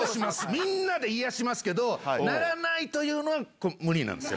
みんなで癒やしますけど、ならないというのは、これ、無理なんですよ。